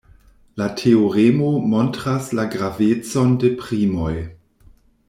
La teoremo montras la gravecon de primoj.